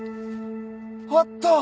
あった！